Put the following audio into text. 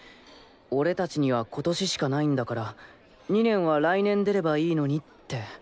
俺達には今年しかないんだから２年は来年出ればいいのにって。